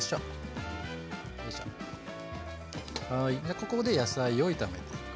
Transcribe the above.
ここで野菜を炒めていく。